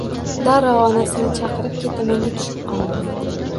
Darrov onasini chaqirib, ketamanga tushib qoldi